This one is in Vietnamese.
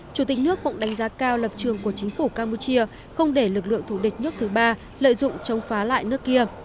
chủ tịch nước cũng đánh giá cao lập trường của chính phủ campuchia không để lực lượng thủ địch nước thứ ba lợi dụng chống phá lại nước kia